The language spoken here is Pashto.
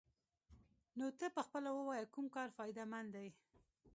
نو ته پخپله ووايه کوم کار فايده مند دې.